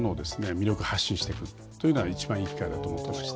魅力発信していくというのは一番いい機会だと思ってまして。